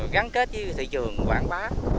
gắn kết với thị trường quảng bá